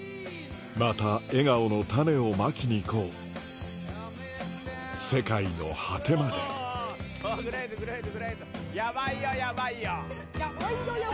また笑顔の種をまきに行こう世界の果てまで「ヤバイよヤバイよ」。